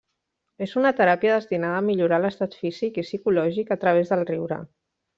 És una teràpia destinada a millorar l'estat físic i psicològic a través del riure.